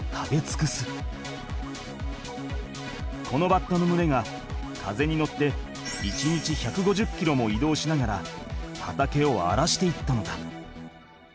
このバッタのむれが風に乗って１日１５０キロも移動しながら畑をあらしていったのだ。